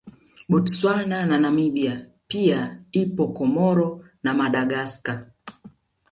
Botswana na Namibia pia ipo Comoro na Madagascar